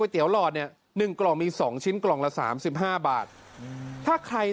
เป็นกำลังใจให้นะครับ